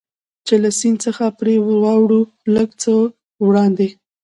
چې له سیند څخه پرې واوړو، لږ څه وړاندې.